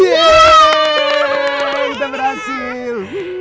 yeay kita berhasil